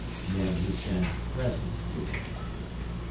Men who send presents to them.